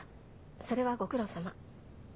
それはご苦労さま。